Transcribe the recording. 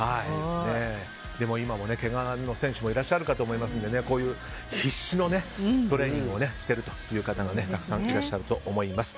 でも今も、けがの選手もいらっしゃるかと思いますので必死のトレーニングをしている方がたくさんいらっしゃると思います。